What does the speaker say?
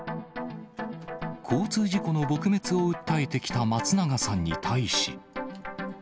交通事故の撲滅を訴えてきた松永さんに対し。